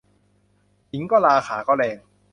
ขิงก็ราข่าก็แรง